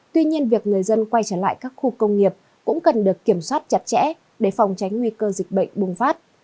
tuy nhiên việc người dân quay trở lại các khu công nghiệp cũng cần được kiểm soát chặt chẽ để phòng tránh nguy cơ dịch bệnh bùng phát